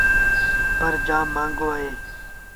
پر جآم مآݩگو اهي۔